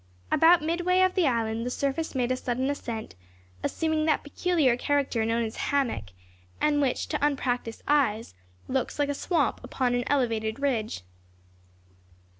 About midway of the island the surface made a sudden ascent, assuming that peculiar character known as "hammock," and which, to unpractised eyes, looks like a swamp upon an elevated ridge.